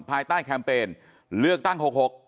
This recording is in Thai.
ภายใต้แคมเปญเลือกตั้ง๖๖